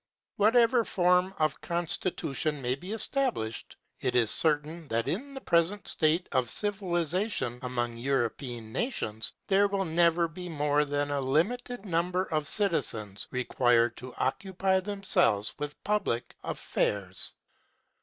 Whatever form of constitution may be established, it is certain that in the present state of civilisation among European nations there will never be more than a limited number of citizens required to occupy themselves with public affairs.